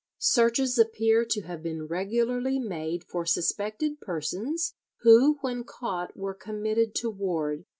Searches appear to have been regularly made for suspected persons, who when caught were committed to ward.